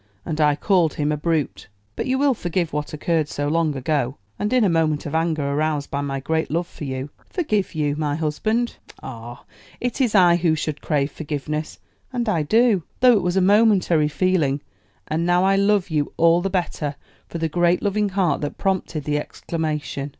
And I called him a brute. But you will forgive what occurred so long ago? and in a moment of anger aroused by my great love for you?" "Forgive you, my husband? ah, it is I who should crave forgiveness, and I do, though it was a momentary feeling; and now I love you all the better for the great loving heart that prompted the exclamation."